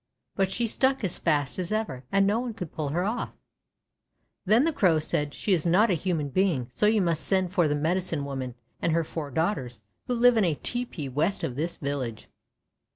But she stuck as fast as ever, and no one could pull her off. Then the Crow said, :<She is not a human being, so you must send for the Medicine Woman and her four daughters, who live in a tepee west of this village."